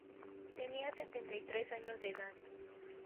Tenía setenta y tres años de edad.